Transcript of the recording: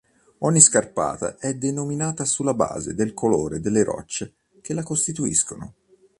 Ogni scarpata è denominata sulla base del colore delle rocce che la costituiscono.